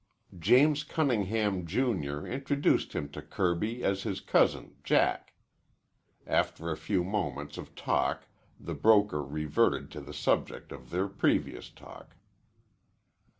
James Cunningham, Junior, introduced him to Kirby as his cousin Jack. After a few moments of talk the broker reverted to the subject of their previous talk.